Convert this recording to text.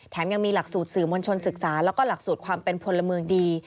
ยังมีหลักสูตรสื่อมวลชนศึกษาแล้วก็หลักสูตรความเป็นพลเมืองดี